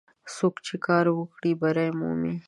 څوک چې کار وکړي، بری مومي.